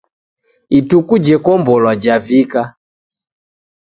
Ituku jekombolwa javika